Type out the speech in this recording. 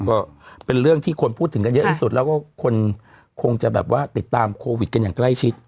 ก็เป็นเรื่องที่คนพูดถึงกันเยอะที่สุดแล้วก็คนคงจะแบบว่าติดตามโควิดกันอย่างใกล้ชิด